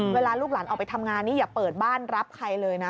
ลูกหลานออกไปทำงานนี่อย่าเปิดบ้านรับใครเลยนะ